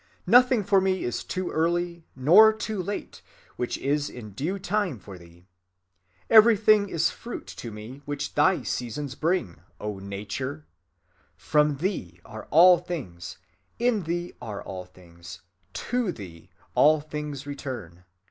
Nothing for me is too early nor too late, which is in due time for thee. Everything is fruit to me which thy seasons bring, O Nature: from thee are all things, in thee are all things, to thee all things return.